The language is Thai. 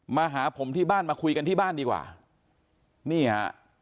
มาหาผมที่บ้านมาคุยกันที่บ้านดีกว่านี่ฮะ